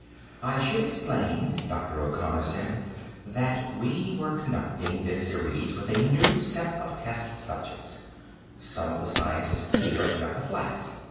"I should explain," Dr. O'Connor said, "that we were conducting this series with a new set of test subjects: some of the scientists here at Yucca Flats.